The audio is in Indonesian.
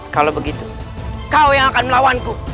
kalau begitu kau yang akan melawanku